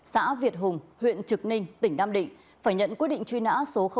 xã việt hùng huyện trực ninh tỉnh nam định phải nhận quyết định truy nã số một